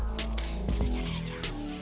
kita cerai aja